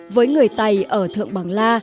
với người tài ở thượng bằng la